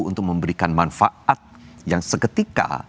untuk memberikan manfaat yang seketika